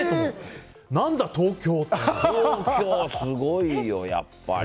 東京、すごいよやっぱり。